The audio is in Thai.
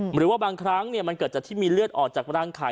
หรือว่าบางครั้งมันเกิดจากที่มีเลือดออกจากรังไข่